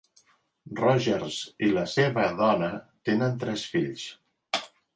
Rogers i la seva dona tenen tres fills.